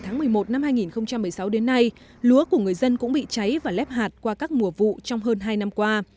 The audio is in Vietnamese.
nước của người dân cũng bị cháy và lép hạt qua các mùa vụ trong hơn hai năm qua